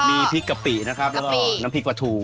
มีพริกกะปินะครับน้ำพริกปลาถู